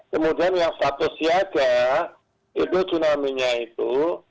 kemudian yang status siaga itu tsunami nya itu